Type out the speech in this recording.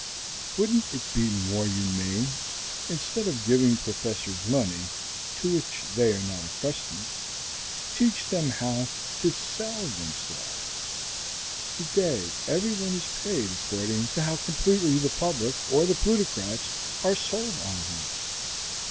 Wouldn't it be more humane (instead of giving the professors money, to which they are not accustomed) to teach them how to "sell" themselves? Today every one is paid according to how completely the public or the plutocrats are "sold" on him.